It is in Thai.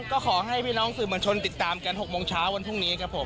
ก็ขอให้พี่น้องสื่อมวลชนติดตามกัน๖โมงเช้าวันพรุ่งนี้ครับผม